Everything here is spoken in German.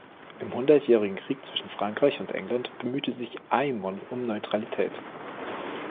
Im Hundertjährigen Krieg zwischen Frankreich und England bemühte sich Aymon um Neutralität.